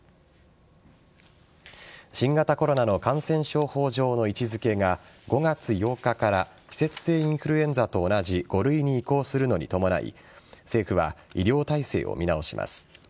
新型コロナの感染症法上の位置付けが５月８日から季節性インフルエンザと同じ５類に移行するのに伴い政府は医療体制を見直します。